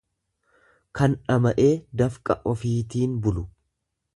kan dhama'ee dafqa ofiitiin bulu.